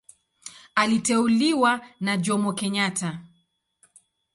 Aliteuliwa na Jomo Kenyatta.